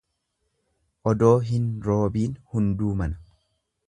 Odoo hin roobiin hunduu mana.